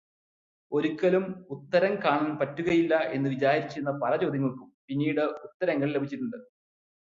ഒരിക്കലും ഉത്തരം കാണാൻ പറ്റുകയില്ല എന്നുവെച്ചിരുന്ന പല ചോദ്യങ്ങൾകും പിന്നീട് ഉത്തരങ്ങൾ ലഭിച്ചിട്ടുണ്ട്.